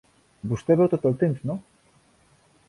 Vostè beu tot el temps, no?